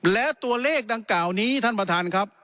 และตัวเลขดังกล่าวนี้ท่านประธานครับ